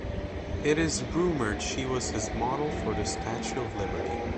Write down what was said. It is rumored she was his model for the Statue of Liberty.